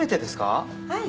はい。